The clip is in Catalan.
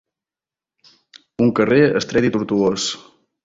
Un carrer estret i tortuós.